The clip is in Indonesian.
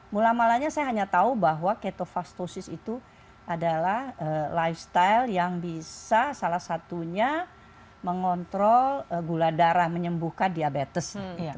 mulamalanya saya hanya tahu bahwa ketofastosis itu adalah lifestyle yang bisa salah satunya mengontrol gula darah menyembuhkan diabetes